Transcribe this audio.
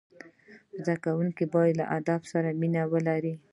زدهکوونکي باید له ادب سره مینه ولري.